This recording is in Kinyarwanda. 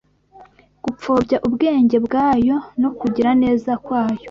gupfobya ubwenge bwayo no kugira neza kwayo